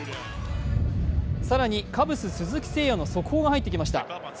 更にカブス・鈴木誠也の速報が入ってきました。